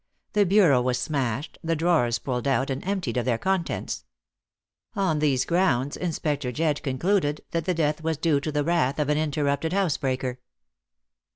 The bureau was smashed, the drawers pulled out and emptied of their contents. On these grounds Inspector Jedd concluded that the death was due to the wrath of an interrupted housebreaker.